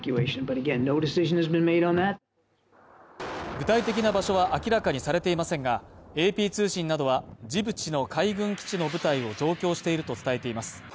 具体的な場所は明らかにされていませんが、ＡＰ通信などは、ジブチの海軍基地の部隊を増強していると伝えています。